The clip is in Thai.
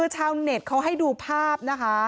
ชาวขึ้นให้ดูภาพ